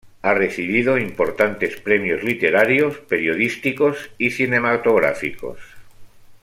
Ha recibido importantes premios literarios, periodísticos y cinematográficos.